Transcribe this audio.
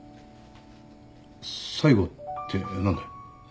最後って何だよ。